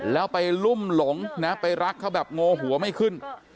แล้วไปลุ่มหลงนะไปรักเขาแบบโงหัวไม่ขึ้น